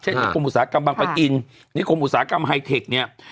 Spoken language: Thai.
นิคมอุตสาหกรรมบังปะอินนิคมอุตสาหกรรมไฮเทคเนี่ย